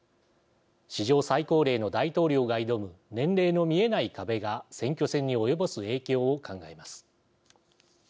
史上最高齢の大統領が挑む年齢の見えない壁が選挙戦に及ぼす影響を考えます。